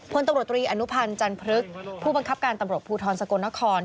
พลตำรวจตรีอนุพันธ์จันพฤกษ์ผู้บังคับการตำรวจภูทรสกลนคร